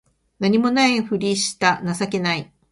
何も無いふりした情けない